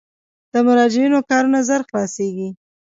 د مراجعینو کارونه ژر خلاصیږي؟